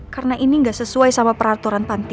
karena ini gak sesuai sama peraturan panti